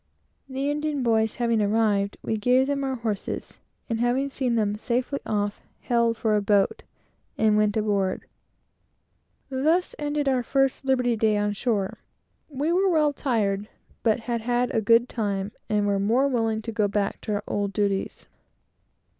The Indian boys having arrived, we gave them our horses, and having seen them safely off, hailed for a boat and went aboard. Thus ended our first liberty day on shore. We were well tired, but had had a good time, and were more willing to go back to our old duties.